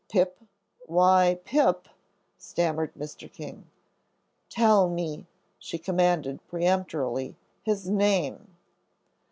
"Pip why, Pip " stammered Mr. King. "Tell me," she commanded peremptorily, "his name."